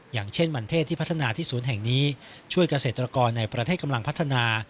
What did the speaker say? อย่างเช่นมันเทศที่พัฒนาที่ศูนย์แห่งนี้ช่วยเกษตรกรในประเทศกำลังพัฒนา